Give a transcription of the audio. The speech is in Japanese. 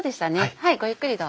はいごゆっくりどうぞ。